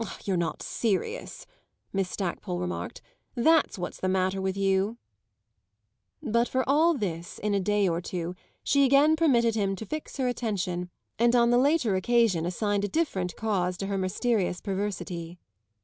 "You're not serious," Miss Stackpole remarked; "that's what's the matter with you." But for all this, in a day or two, she again permitted him to fix her attention and on the later occasion assigned a different cause to her mysterious perversity.